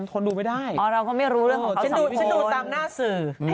อ้อเราก็ไม่รู้เรื่องของเขาสังผิดโอ้โฮ้ไม่เป็นปืนน่ะ